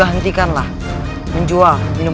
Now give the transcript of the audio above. hentikan ku adalah untung